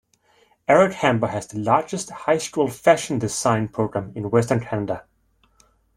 Eric Hamber has the largest high school fashion design program in western Canada.